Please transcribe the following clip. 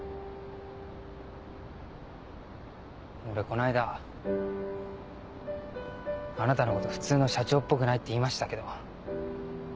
俺この間あなたのこと普通の社長っぽくないって言いましたけど。